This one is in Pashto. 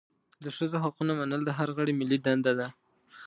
د ښځو حقونه منل د هر غړي ملي دنده ده.